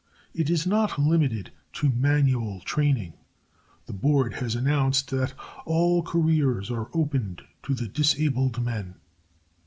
It is not limited to manual training. The Board has announced that "all careers are open to the disabled men."